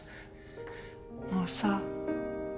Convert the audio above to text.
もうさ。